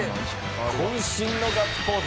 渾身のガッツポーズ。